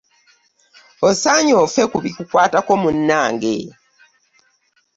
Osaanye ofe ku bikukwatako munnange.